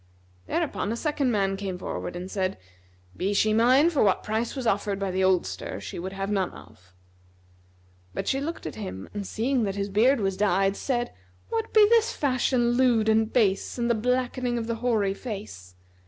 Thereupon a second man came forward and said, "Be she mine for what price was offered by the oldster she would have none of;" but she looked at him and seeing that his beard was dyed, said "What be this fashion lewd and base and the blackening of the hoary face?"